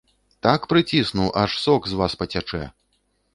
Так прыцісну, аж сок з вас пацячэ!